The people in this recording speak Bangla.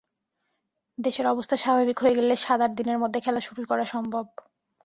দেশের অবস্থা স্বাভাবিক হয়ে গেলে সাত-আট দিনের মধ্যে খেলা শুরু করা সম্ভব।